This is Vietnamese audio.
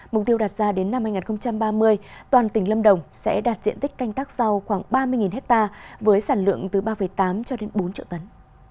mục tiêu đạt ra đến năm hai nghìn ba mươi toàn tỉnh lâm đồng sẽ đạt diện tích canh tác rau khoảng ba mươi hectare với sản lượng từ ba tám cho đến bốn triệu tấn